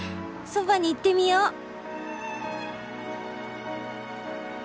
そばに行ってみよう。